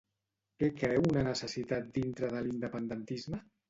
Què creu una necessitat dintre de l'independentisme?